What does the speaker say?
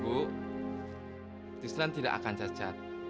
bu islam tidak akan cacat